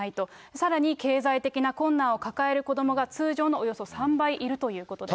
さらに経済的な困難を抱える子どもが、通常のおよそ３倍いるということです。